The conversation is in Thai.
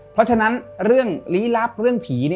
เพราะฉะนั้นเรื่องลี้ลับเรื่องผี